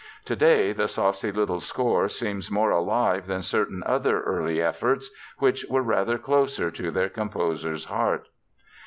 Today the saucy little score seems more alive than certain other early efforts which were rather closer to their composer's heart.